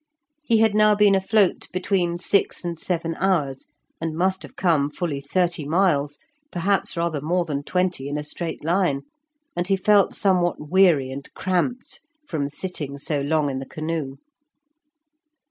He had now been afloat between six and seven hours, and must have come fully thirty miles, perhaps rather more than twenty in a straight line, and he felt somewhat weary and cramped from sitting so long in the canoe.